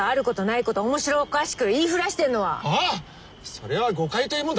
それは誤解というもんだな。